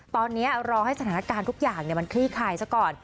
ตอนนี้รอให้สถานการณ์ทุกอย่างมันคลี่คลายซะก่อน